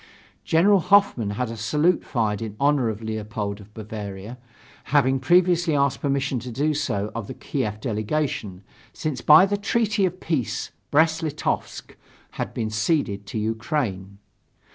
General Hoffmann had a salute fired in honor of Leopold of Bavaria, having previously asked permission to do so of the Kiev delegation, since by the treaty of peace Brest Litovsk had been ceded to Ukraine.